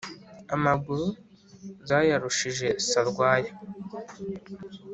Amaguru zayarushije Sarwaya